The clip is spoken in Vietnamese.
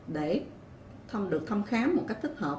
để được thăm khám một cách thích hợp